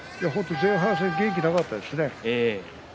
前半戦元気がなかったですね。